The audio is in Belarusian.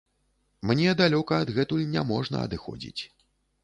Мне далёка адгэтуль няможна адыходзіць.